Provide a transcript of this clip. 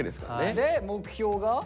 で目標が？